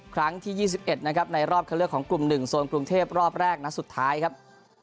ครั้งที่๒๑นะครับในรอบเข้าเลือกของกลุ่ม๑โซนกรุงเทพรอบแรกนัดสุดท้ายครับ